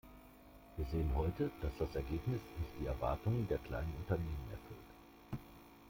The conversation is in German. Wir sehen heute, dass das Ergebnis nicht die Erwartungen der kleinen Unternehmen erfüllt.